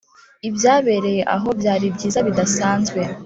ibyabereye aho byari byiza bidasanzwe.